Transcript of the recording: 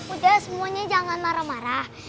udah semuanya jangan marah marah